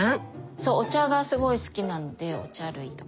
そうお茶がすごい好きなんでお茶類とか。